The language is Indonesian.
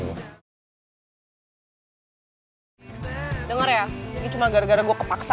dengar ya ini cuma gara gara gue kepaksa